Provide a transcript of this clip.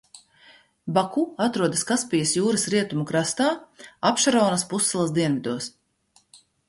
Baku atrodas Kaspijas jūras rietumu krastā, Abšeronas pussalas dienvidos.